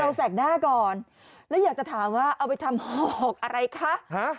เอาแสกหน้าก่อนแล้วอยากจะถามว่าเอาไปทำหอกอะไรคะ